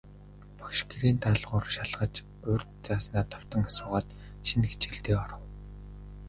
Багш гэрийн даалгавар шалгаж, урьд зааснаа давтан асуугаад, шинэ хичээлдээ оров.